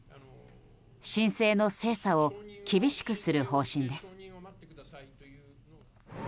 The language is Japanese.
申請の精査を厳しくする方針です。